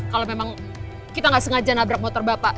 kalau memang kita nggak sengaja nabrak motor bapak